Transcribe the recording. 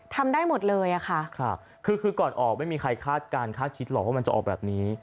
ทำได้หมดเลยอะค่ะคือคือก่อนออกไม่มีใครคาดการณคาดคิดหรอกว่ามันจะออกแบบนี้